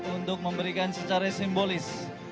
untuk memberikan secara simbolis